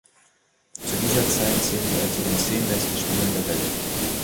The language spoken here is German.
Zu dieser Zeit zählte er zu den zehn besten Spielern der Welt.